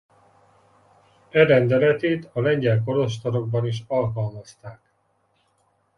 E rendeletét a lengyel kolostorokban is alkalmazták.